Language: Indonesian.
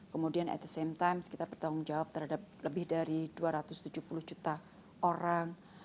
kemudian at the same time kita bertanggung jawab terhadap lebih dari dua ratus tujuh puluh juta orang